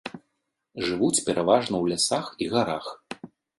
Жывуць пераважна ў лясах і гарах.